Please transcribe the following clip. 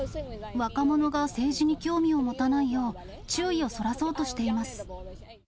若者が政治に興味を持たないよう、注意をそらそうとしています。